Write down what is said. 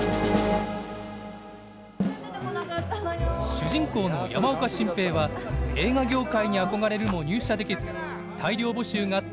主人公の山岡進平は映画業界に憧れるも入社できず大量募集があった